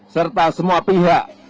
serta semua pihak